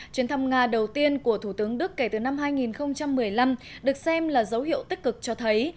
chuyến thăm nga đầu tiên của thủ tướng đức kể từ năm hai nghìn một mươi năm được xem là dấu hiệu tích cực cho thấy